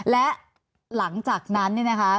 และหลังจากนั้น